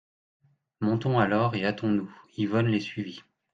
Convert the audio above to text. Montons alors, et hâtons-nous ! Yvonne les suivit.